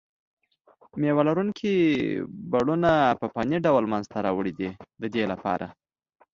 مېوه لرونکي بڼونه په فني ډول منځته راوړي دي د دې لپاره.